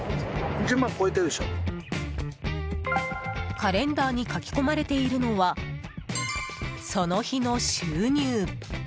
カレンダーに書き込まれているのはその日の収入。